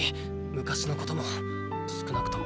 昔のことも少なくとも今はね。